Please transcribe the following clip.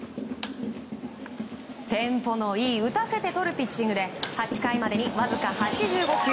テンポのいい打たせてとるピッチングで８回までにわずか８５球。